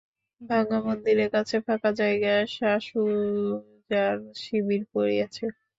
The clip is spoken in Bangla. ভাঙা মন্দিরের কাছে ফাঁকা জায়গায় শাসুজার শিবির পড়িয়াছে।